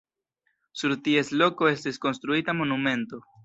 Sur ties loko estis konstruita monumento.